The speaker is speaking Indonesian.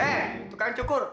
eh tukang cukur